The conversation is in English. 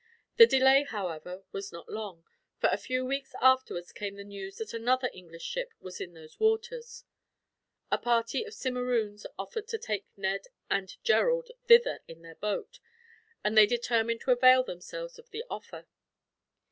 The delay, however, was not long, for a few weeks afterwards came the news that another English ship was in those waters. A party of Simeroons offered to take Ned and Gerald thither in their boat, and they determined to avail themselves of the offer.